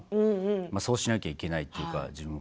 そうしなきゃいけないというか。